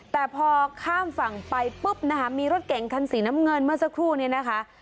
แต่พอข้ามฝั่งไปปุ๊บนะคะมีรถเก๋งคันสีน้ำเงินเมื่อสักครู่นี้นะคะ